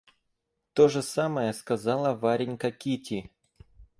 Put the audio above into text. То же самое сказала Варенька Кити.